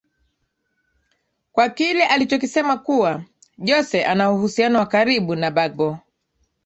kwa kile alichokisema kuwa jose anauhusiano wa karibu na bagbo